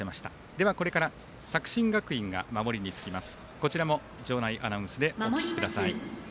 では、これから作新学院が守りにつきます。